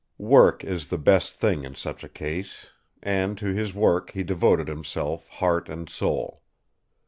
"Work is the best thing in such a case; and to his work he devoted himself heart and soul.